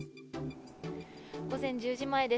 午前１０時前です。